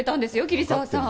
桐沢さん。